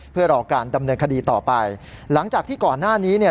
เพื่อรอการดำเนินคดีต่อไปหลังจากที่ก่อนหน้านี้เนี่ย